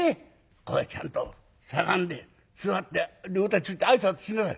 これちゃんとしゃがんで座って両手ついて挨拶しなさい。